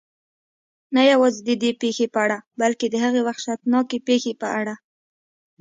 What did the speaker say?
نه یوازې ددې پېښې په اړه بلکې د هغې وحشتناکې پېښې په اړه.